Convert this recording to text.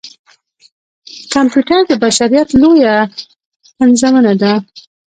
کمپیوټر د بشريت لويه پنځونه ده.